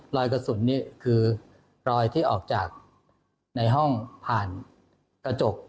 รอยกระสุนนี้คือรอยที่ออกจากในห้องผ่านกระจก